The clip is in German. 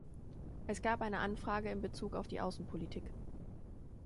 Es gab eine Anfrage in Bezug auf die Außenpolitik.